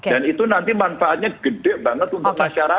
dan itu nanti manfaatnya gede banget untuk masyarakat